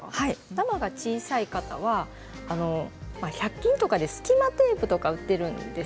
頭が小さい方は１００均とかで隙間テープを売っているんです。